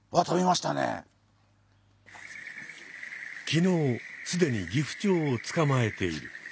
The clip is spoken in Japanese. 昨日すでにギフチョウをつかまえている。